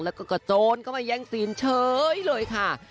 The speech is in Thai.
แล้วก็กระโจรก็ไม่แย่งสินเฉยเลยค่ะ